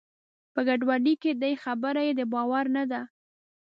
په ګډوډۍ کې دی؛ خبره یې د باور نه ده.